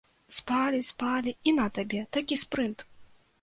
Спалі-спалі, і на табе, такі спрынт!